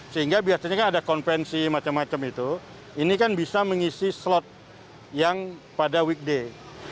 sehingga biasanya kan ada konvensi macam macam itu ini kan bisa mengisi slot yang pada weekday